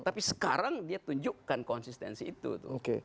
tapi sekarang dia tunjukkan konsistensi itu tuh